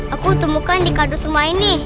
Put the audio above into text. aku temukan di kadus rumah ini